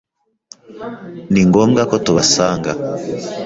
Ni ngombwa ko tubasanga.